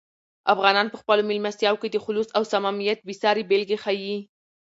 افغانان په خپلو مېلمستیاوو کې د "خلوص" او "صمیمیت" بې سارې بېلګې ښیي.